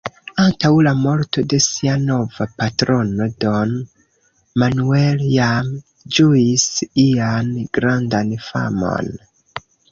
Antaŭ la morto de sia nova patrono, Don Manuel jam ĝuis ian grandan famon.